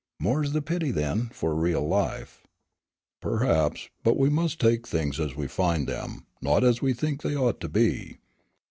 "More's the pity, then, for real life." "Perhaps, but we must take things as we find them, not as we think they ought to be.